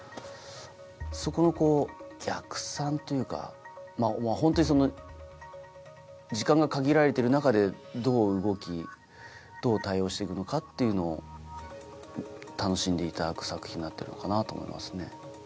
そこの逆算というかホントに時間が限られてる中でどう動きどう対応して行くのかっていうのを楽しんでいただく作品になってるのかなと思いますね。